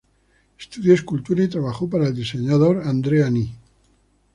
Estudió escultura y trabajó para el diseñador Andre-Ani.